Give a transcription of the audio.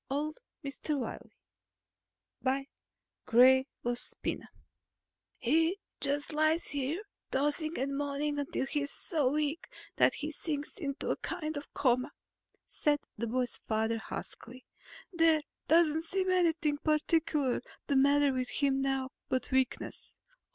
_] "He just lies here tossing and moaning until he's so weak that he sinks into a kind of coma," said the boy's father huskily. "There doesn't seem anything particular the matter with him now but weakness.